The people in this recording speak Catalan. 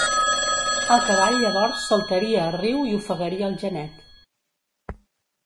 El cavall llavors saltaria a riu i ofegaria el genet.